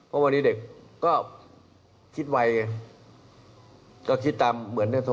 ว่าวันนี้เด็กก็คิดไวเก่ง